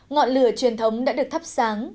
ngọn lửa truyền thống đã được thắp sáng